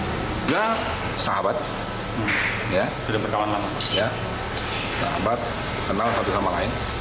tidak sahabat tidak berkawan sama sahabat kenal satu sama lain